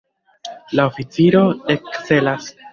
La oficiro ekcelas.